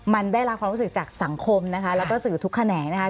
มันได้รับความรู้สึกจากสังคมนะคะแล้วก็สื่อทุกแขนงนะคะ